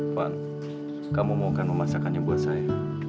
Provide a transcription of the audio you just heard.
puan kamu mau kan memasakannya buat saya